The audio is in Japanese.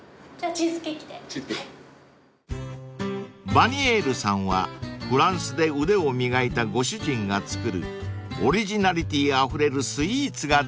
［ヴァニエールさんはフランスで腕を磨いたご主人が作るオリジナリティーあふれるスイーツが大人気］